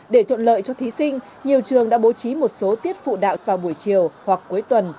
để thuận lợi cho thí sinh nhiều trường đã bố trí một số tiết phụ đạo vào buổi chiều hoặc cuối tuần